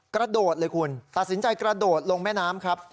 กระโดดเลยคุณตัดสินใจกระโดดลงแม่น้ำครับ